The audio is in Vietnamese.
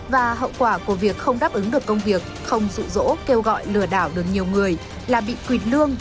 và hậu quả của việc không đáp ứng được công việc không dụ dỗ kêu gọi lừa đảo được nhiều người là bị quỳt lương